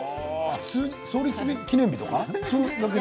創立記念日とか？